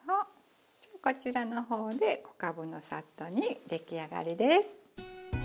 こちらの方でかぶのさっと煮出来上がりです。